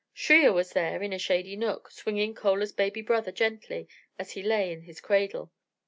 Shriya was there in a shady nook, swinging Chola's baby brother gently as he lay in his cradle.